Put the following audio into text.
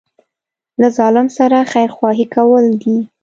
له ظالم سره خیرخواهي کول دي.